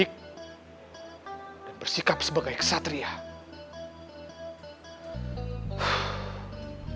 gaada pelaut ulung lahir dari samuda yang tenang